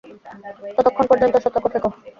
ততক্ষণ পর্যন্ত, সতর্ক থেকো।